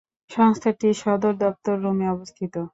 সংস্থাটির সদর দপ্তর রোমে অবস্থিত।